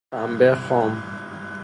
پنبه خام